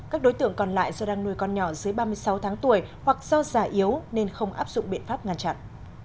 các đối tượng còn lại do đang nuôi con nhỏ dưới ba mươi sáu tháng tuổi hoặc do già yếu nên không áp dụng biện pháp ngăn chặn